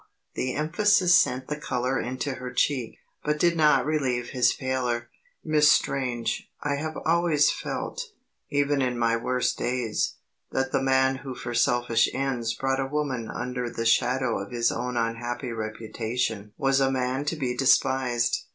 The emphasis sent the colour into her cheek but did not relieve his pallor. "Miss Strange, I have always felt, even in my worst days, that the man who for selfish ends brought a woman under the shadow of his own unhappy reputation was a man to be despised.